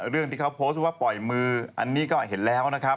เรื่องที่เขาโพสต์ว่าปล่อยมืออันนี้ก็เห็นแล้วนะครับ